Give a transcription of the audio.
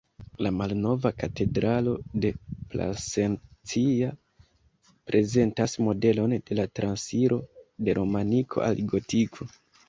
La Malnova Katedralo de Plasencia prezentas modelon de la transiro de romaniko al gotiko.